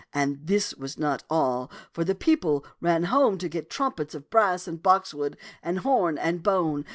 And this was not all, for the people ran home to get trumpets of brass and boxwood and horn and bone.